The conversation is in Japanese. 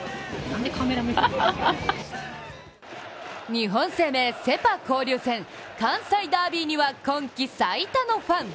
日本生命セ・パ交流戦、関西ダービーには今季最多のファン。